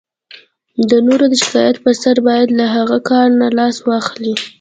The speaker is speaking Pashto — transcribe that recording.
د نورو د شکایت په سر باید له هغه کار نه لاس واخلئ.